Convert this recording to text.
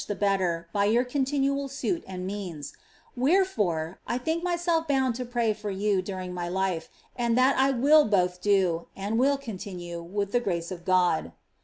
e better by your continual suit and means ; wherefore, I think niv»'lf U.'US i » pray for you 'luring my life, and that I will both do, and will coniioue, witii dbe grace of Go<l.